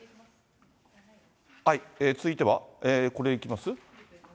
続いては、これいきます？